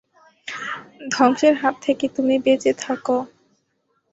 ধ্বংসের হাত থেকে তুমি বেঁচে থাক।